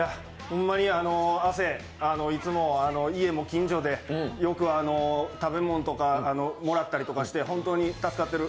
ほんまに亜生、いつも家も近所で、よく食べ物とかもらったりしてホントに助かってる。